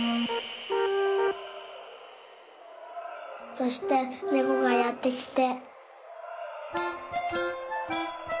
そしてねこがやってきて。